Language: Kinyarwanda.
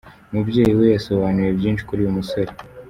Umubyeyi we yasobanuye byinshi kuri uyu musore.